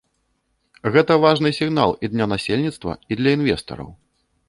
Гэта важны сігнал і для насельніцтва і для інвестараў.